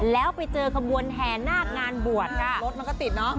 แล้วไปเจอขบวนแหน้งงานบวชน่ะ